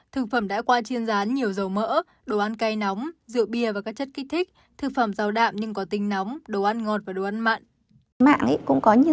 thực phẩm đã qua chiên rán nhiều dầu mỡ đồ ăn cay nóng rượu bia và các chất kích thích